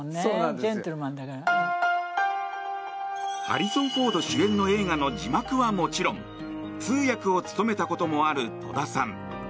ハリソン・フォード主演の映画の字幕はもちろん通訳を務めたこともある戸田さん。